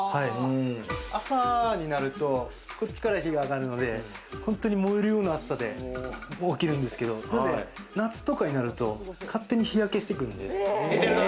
朝になるとこっちから日があがるので、本当に燃えるような暑さで起きるんですけど夏とかになると勝手に日焼けしていくんで。